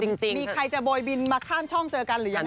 จริงมีใครจะโบยบินมาข้ามช่องเจอกันหรือยังไง